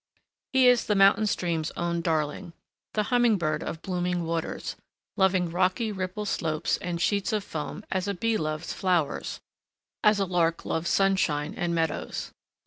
He is the mountain streams' own darling, the humming bird of blooming waters, loving rocky ripple slopes and sheets of foam as a bee loves flowers, as a lark loves sunshine and meadows.